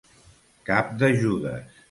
Cap de Judes!